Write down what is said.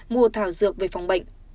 mua thảo dược về phòng bệnh